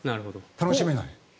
楽しめない。